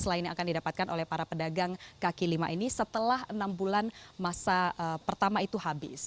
selain yang akan didapatkan oleh para pedagang kaki lima ini setelah enam bulan masa pertama itu habis